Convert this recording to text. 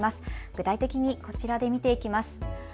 具体的にこちらで見ていきます。